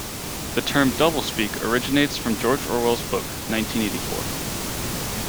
The term "doublespeak" originates in George Orwell's book "Nineteen Eighty-Four".